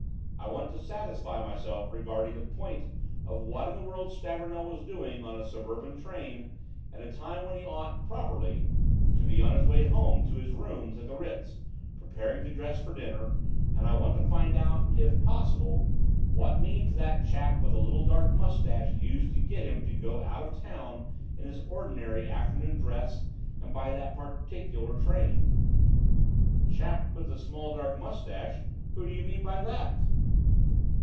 I want to satisfy myself regarding the point of what in the world Stavornell was doing on a suburban train at a time when he ought, properly, to be on his way home to his rooms at the Ritz, preparing to dress for dinner; and I want to find out, if possible, what means that chap with the little dark moustache used to get him to go out of town in his ordinary afternoon dress and by that particular train." "Chap with the small dark moustache? Who do you mean by that?"